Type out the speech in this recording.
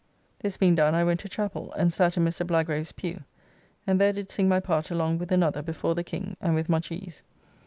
This being done I went to chappell, and sat in Mr. Blagrave's pew, and there did sing my part along with another before the King, and with much ease.